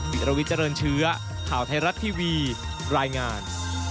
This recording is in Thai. วิรวิทเจริญเชื้อข่าวไทยรัฐทีวีรายงาน